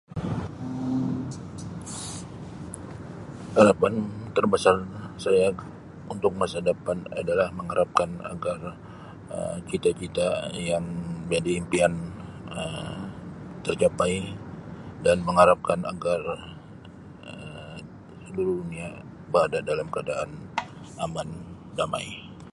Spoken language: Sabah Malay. Um Harapan terbesar saya untuk masa depan adalah mengharapkan agar Um cita-cita yang jadi impian tercapai dan mengharapkan agar Um dunia berada dalam keadaan aman damai.